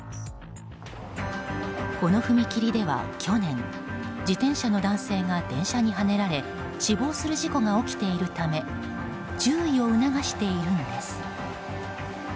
この踏切では去年自転車の男性が電車にはねられ死亡する事故が起きているため注意を促しているんです。